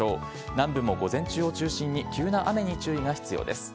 南部も午前中を中心に急な雨に注意が必要です。